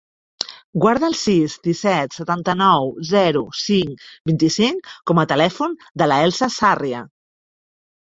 Guarda el sis, disset, setanta-nou, zero, cinc, vint-i-cinc com a telèfon de l'Elsa Sarria.